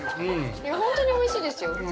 本当においしいですよ。